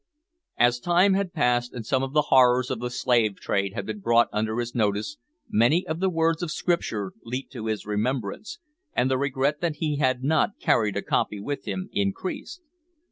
As time had passed, and some of the horrors of the slave trade had been brought under his notice, many of the words of Scripture leaped to his remembrance, and the regret that he had not carried a copy with him increased.